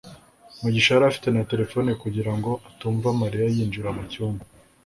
mugisha yari afite na terefone kugira ngo atumva mariya yinjira mu cyumba